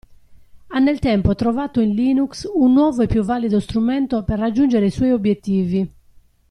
Ha nel tempo trovato in Linux un nuovo e più valido strumento per raggiungere i suoi obiettivi.